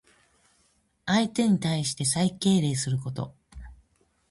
相手に対して最敬礼すること。